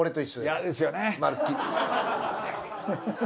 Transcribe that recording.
嫌ですよね。